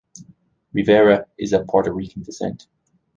Rivera is of Puerto Rican descent.